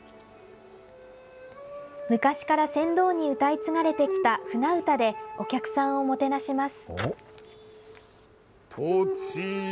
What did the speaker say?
昔から船頭に歌い継がれてきた舟歌で、お客さんをもてなします。